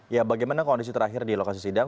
ya bagaimana kondisi terakhir di lokasi sidang